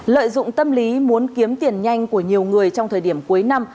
lợi dụng tâm lý muốn kiếm tiền nhanh của nhiều người trong thời điểm cuối năm